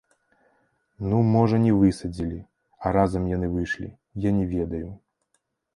Ну можа, не высадзілі, а разам яны выйшлі, я не ведаю.